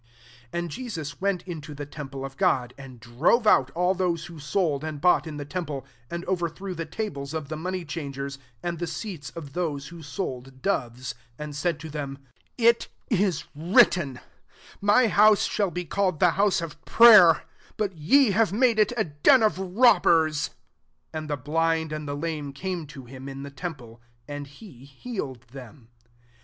12 And Jesus went into Ae temple [of God,] and drove out all those who sold and bougkt in the temple, and overthrew the tables of the money chang* ers, and the seats of those who sold doves ; 13 and said to them, It is written, * My house shall be called the house of prayer;' but ye have made it a den of robbers." 14 And the blind and the lame came to him, in the temple ; and he healed them.